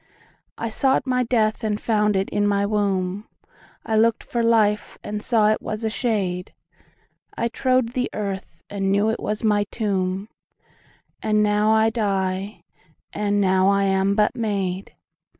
13I sought my death and found it in my womb,14I lookt for life and saw it was a shade,15I trode the earth and knew it was my tomb,16And now I die, and now I am but made.